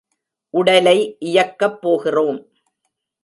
உடலை இயக்கப் போகிறோம்.